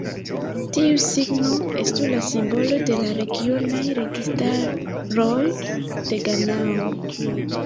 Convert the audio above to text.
Tiu signo estu la simbolo de la regionaj registaroj de Ganao.